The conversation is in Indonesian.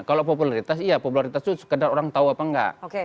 kalau popularitas iya popularitas itu sekedar orang tahu apa enggak